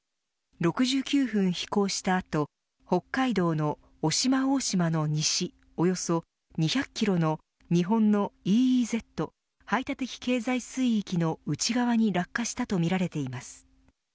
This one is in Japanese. ６９分飛行した後北海道の渡島大島の西およそ２００キロの日本のＥＥＺ排他的経済水域の内側に落下したとみられています。